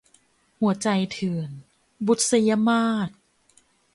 หัวใจเถื่อน - บุษยมาส